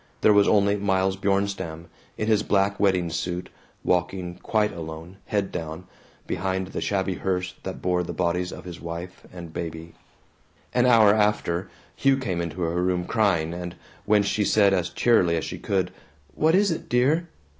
There was only Miles Bjornstam, in his black wedding suit, walking quite alone, head down, behind the shabby hearse that bore the bodies of his wife and baby. An hour after, Hugh came into her room crying, and when she said as cheerily as she could, "What is it, dear?"